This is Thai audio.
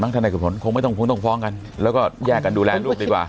ทนายเกิดผลคงไม่ต้องคงต้องฟ้องกันแล้วก็แยกกันดูแลลูกดีกว่า